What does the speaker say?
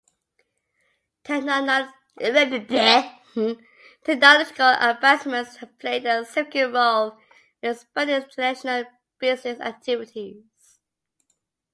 Technological advancements have played a significant role in expanding international business activities.